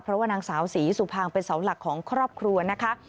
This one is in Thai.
เพราะว่านางสาวศรีสุภางเป็นเสาหลักของครอบครัวนะคะ